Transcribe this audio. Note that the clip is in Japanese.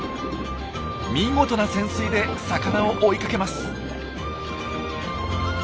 見事な潜水で魚を追いかけます。